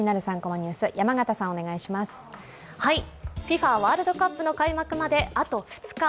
ワールドカップの開幕まであと２日。